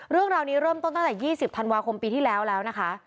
เรื่องราวนี้เริ่มต้นตั้งแต่๒๐ธันวาคมปีที่แล้วแล้วนะคะ